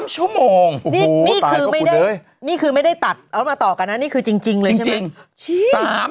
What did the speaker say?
๓ชั่วโมงนี่คือไม่ได้ตัดเอามาต่อกันนะนี่คือจริงเลยใช่ไหม